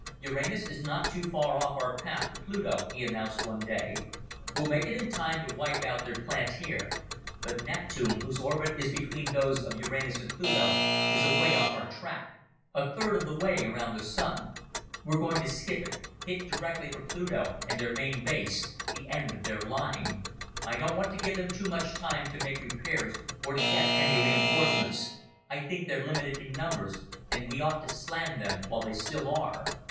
"Uranus is not too far off our path to Pluto," he announced one day. "We'll make it in time to wipe out their plant there. But Neptune, whose orbit is between those of Uranus and Pluto, is away off our track, a third of the way around the Sun. We're going to skip it, hit directly for Pluto and their main base the end of their line. I don't want to give them too much time to make repairs or to get any reinforcements. I think they're limited in numbers and we ought to slam them while they still are."